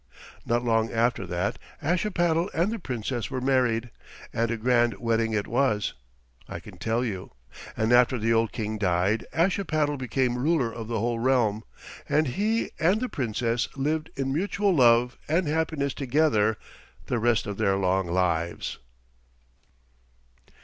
Not long after that Ashipattle and the Princess were married, and a grand wedding it was, I can tell you; and after the old King died Ashipattle became ruler of the whole realm, and he and the Princess lived in mutual love and happiness together the rest of their long lives.